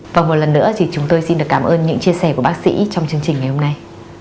và một lần nữa thì chúng tôi xin được cảm ơn những chia sẻ của bác sĩ trong chương trình ngày hôm nay